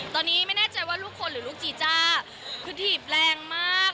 ตอนนี้ไม่แน่ใจว่าลูกคนหรือลูกจีจ้าคือถีบแรงมาก